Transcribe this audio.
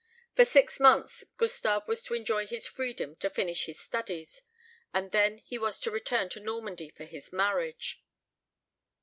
For six months Gustave was to enjoy his freedom to finish his studies; and then he was to return to Normandy for his marriage.